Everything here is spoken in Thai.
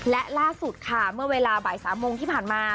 และล่าสุดค่ะเมื่อเวลาบ่าย๓โมงที่ผ่านมา